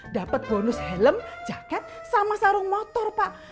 dapat bonus helm jaket sama sarung motor pak